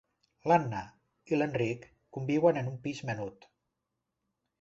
L'Anna i l'Enric conviuen en un pis menut.